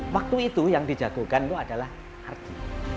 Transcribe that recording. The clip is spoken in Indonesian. waktu itu yang dijatuhkan itu adalah harga